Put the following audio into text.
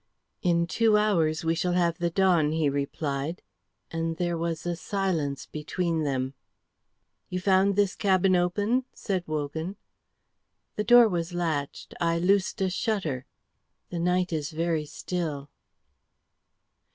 "In two hours we shall have the dawn," he replied; and there was a silence between them. "You found this cabin open?" said Wogan. "The door was latched. I loosed a shutter. The night is very still."